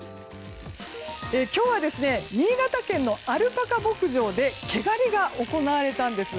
今日は、新潟県のアルパカ牧場で毛刈りが行われたんです。